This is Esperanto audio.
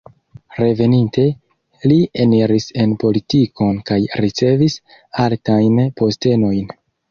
Reveninte, li eniris en politikon kaj ricevis altajn postenojn.